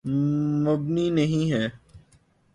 مبنی نہیں ہے۔